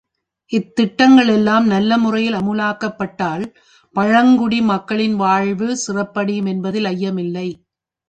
இத்திட்டங்களெல்லாம் நல்ல முறையில் அமுலாக்கப்பட்டால், பழங்குடி மக்களின் வாழ்வு சிறப்படையும் என்பதில் ஐயமில்லை.